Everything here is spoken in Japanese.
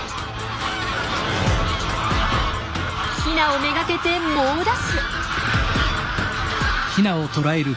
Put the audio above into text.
ヒナを目がけて猛ダッシュ！